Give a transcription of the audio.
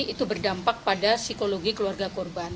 itu berdampak pada psikologi keluarga korban